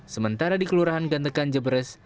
sementara di kelurahan gantekan jebres